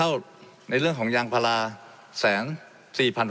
และมีผลกระทบไปทุกสาขาอาชีพชาติ